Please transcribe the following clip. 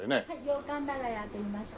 洋館長屋といいまして。